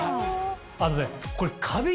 あとね。